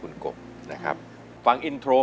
กลับมาเมื่อเวลาที่สุดท้าย